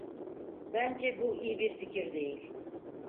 Bence bu iyi bir fikir değil.